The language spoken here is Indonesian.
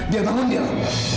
dia bangun dia